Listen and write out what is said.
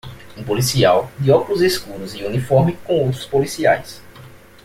Um policial de óculos escuros e uniforme com outros policiais